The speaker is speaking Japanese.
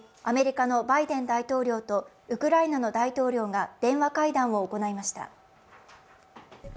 アメリカのバイデン大統領とウクライナの大統領が電話会談を行いました。